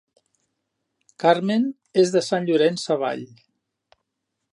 Carmen és de Sant Llorenç Savall